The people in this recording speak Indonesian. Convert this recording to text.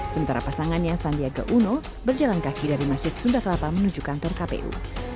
sementara pasangannya sandiaga uno berjalan kaki dari masjid sunda kelapa menuju kantor kpu